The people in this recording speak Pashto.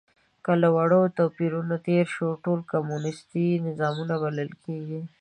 که له وړو توپیرونو تېر شو، ټول کمونیستي نظامونه بلل کېږي.